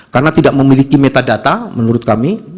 karena tidak memiliki metadata menurut kami